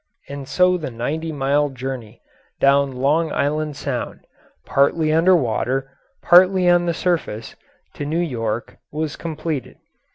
And so the ninety mile journey down Long Island Sound, partly under water, partly on the surface, to New York, was completed.